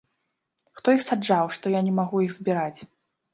Хто іх саджаў, што я не магу іх збіраць!?